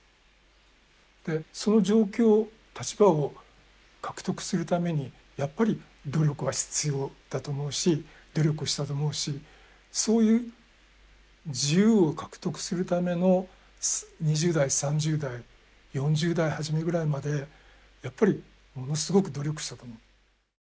でその状況立場を獲得するためにやっぱり努力は必要だと思うし努力したと思うしそういう自由を獲得するための２０代３０代４０代初めぐらいまでやっぱりものすごく努力したと思う。